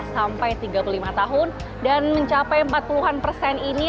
sampai tiga puluh lima tahun dan mencapai empat puluh an persen ini